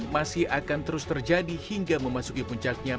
masih akan terus terjadi hingga memasuki puncaknya